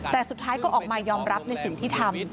แต่สุดท้ายก็ออกมายอมรับในสิ่งที่ทำ